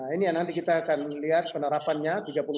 ini nanti kita akan lihat penerapannya